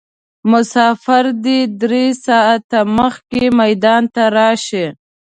مسافر دې درې ساعته دمخه میدان ته راشي.